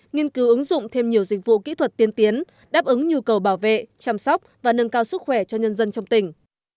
nghiên cứu ứng dụng thêm nhiều dịch vụ kỹ thuật tiên tiến đáp ứng nhu cầu bảo vệ chăm sóc và nâng cao sức khỏe cho nhân dân trong tỉnh